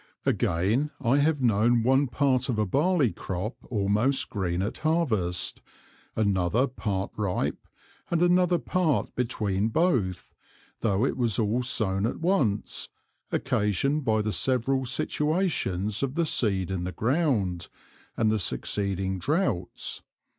Again, I have known one part of a Barley crop almost green at Harvest, another part ripe, and another part between both, tho' it was all sown at once, occasion'd by the several situations of the Seed in the Ground, and the succeeding Droughts.